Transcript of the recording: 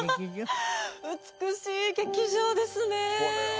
美しい劇場ですね